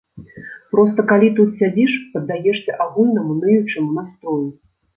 Проста калі тут сядзіш, паддаешся агульнаму ныючаму настрою.